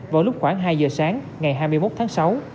vào lúc khoảng hai giờ sáng ngày hai mươi một tháng sáu